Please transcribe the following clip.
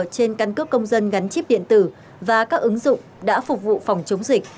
trên căn cước công dân gắn chip điện tử và các ứng dụng đã phục vụ phòng chống dịch